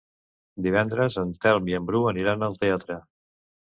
Divendres en Telm i en Bru aniran al teatre.